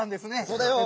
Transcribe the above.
そうだよ。